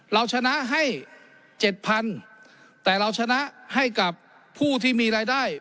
เราชนะให้๗๐๐แต่เราชนะให้กับผู้ที่มีรายได้